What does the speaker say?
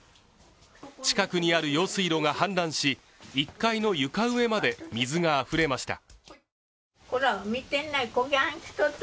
近くにある用水路が氾濫し１階の床上まで水があふれました。